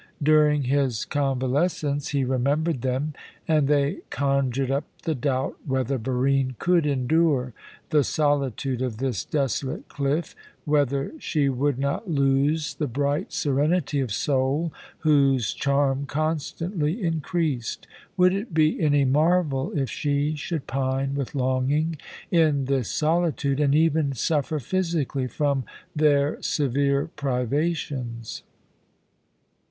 During his convalescence he remembered them and they conjured up the doubt whether Barine could endure the solitude of this desolate cliff, whether she would not lose the bright serenity of soul whose charm constantly increased. Would it be any marvel if she should pine with longing in this solitude, and even suffer physically from their severe privations?